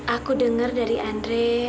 aku dengar dari andre